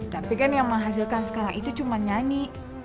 tapi kan yang ma hasilkan sekarang itu cuma nyanyi